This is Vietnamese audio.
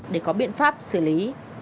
để có biện pháp xử lý